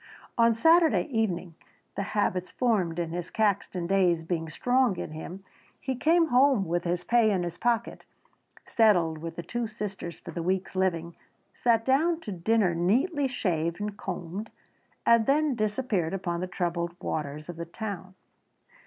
On Saturday evening, the habits formed in his Caxton days being strong in him, he came home with his pay in his pocket, settled with the two sisters for the week's living, sat down to dinner neatly shaved and combed, and then disappeared upon the troubled waters of the town.